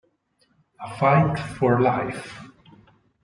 A Fight for Life